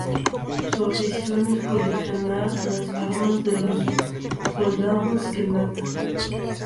Su afición es coleccionar las armas de los soldados que mata.